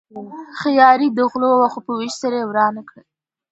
ښه یاري د غلو وه خو په وېش يې سره ورانه کړه.